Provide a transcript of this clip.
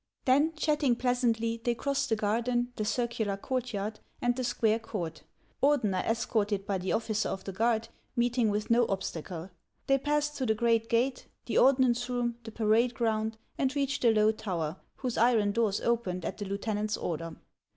Then, chatting pleasantly, they crossed the garden, the circular courtyard, and the square court, Ordener escorted by the officer of the guard, meeting with no obstacle ; they passed through the great gate, the ordnance room, the parade ground, and reached the low tower, whose iron doors opened at the lieutenant's order.